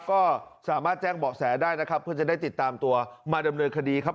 ก็สามารถแจ้งเบาะแสได้นะครับเพื่อจะได้ติดตามตัวมาดำเนินคดีครับ